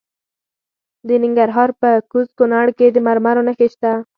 د ننګرهار په کوز کونړ کې د مرمرو نښې شته.